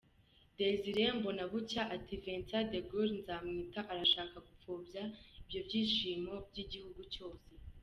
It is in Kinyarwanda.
Désiré Mbonabucya ati: Vincent De Gaulle Nzamwita arashaka gupfobya ibyo byishimo by’igihugu cyose?